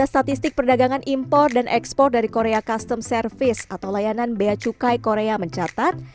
statistik perdagangan impor dan ekspor dari korea custom service atau layanan bea cukai korea mencatat